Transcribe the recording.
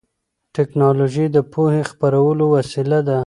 ټیکنالوژي د پوهې خپرولو وسیله ده.